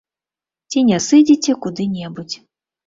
Ці не сыдзеце куды-небудзь.